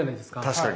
確かに。